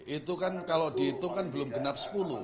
itu kan kalau dihitung kan belum genap sepuluh